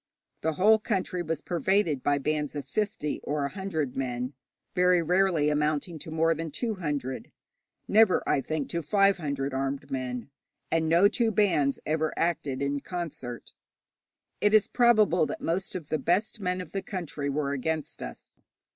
The whole country was pervaded by bands of fifty or a hundred men, very rarely amounting to more than two hundred, never, I think, to five hundred, armed men, and no two bands ever acted in concert. It is probable that most of the best men of the country were against us.